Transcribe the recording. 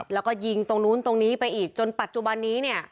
แล้วก็ยิงตรงนู้นตรงนี้ไปอีกจนปัจจุบันนี้เนี่ย